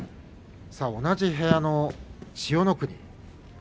同じ部屋の千代の国。